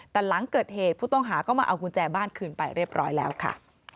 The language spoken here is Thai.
แต่หลังเกิดเหตุผู้ต้องหาก็มาเอากุญแจบ้านคืนไปเรียบร้อยแล้วค่ะ